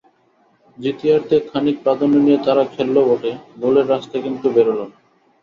দ্বিতীয়ার্ধে খানিক প্রাধান্য নিয়ে তারা খেলল বটে, গোলের রাস্তা কিন্তু বেরোল না।